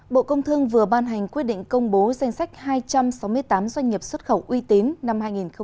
bộ công thương vừa ban hành quyết định công bố danh sách hai trăm sáu mươi tám doanh nghiệp xuất khẩu uy tín năm hai nghìn một mươi chín